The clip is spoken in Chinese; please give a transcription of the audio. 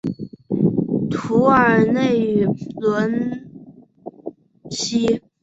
图尔内库普。